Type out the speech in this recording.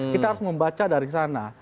kita harus membaca dari sana